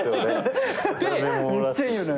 めっちゃいいよね。